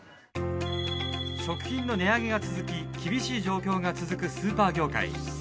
食品の値上げが続き厳しい状況が続くスーパー業界。